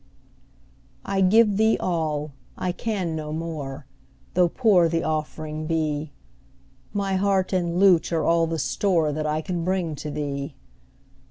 I give thee all I can no more Tho' poor the offering be; My heart and lute are all the store That I can bring to thee.